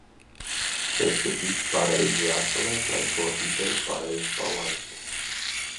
Šeit ir viss pareizi jāsaliek, lai šo ideju pareizi palaistu.